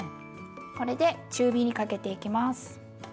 これで中火にかけていきます。